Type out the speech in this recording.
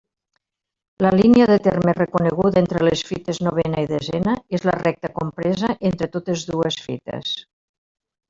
La línia de terme reconeguda entre les fites novena i desena és la recta compresa entre totes dues fites.